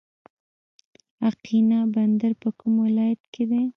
اقینه بندر په کوم ولایت کې دی؟